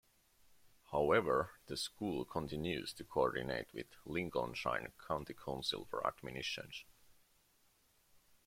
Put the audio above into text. However the school continues to coordinate with Lincolnshire County Council for admissions.